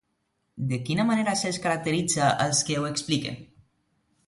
De quina manera se'ls caracteritza als que ho expliquen?